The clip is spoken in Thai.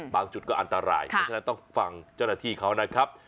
จุดก็อันตรายเพราะฉะนั้นต้องฟังเจ้าหน้าที่เขานะครับ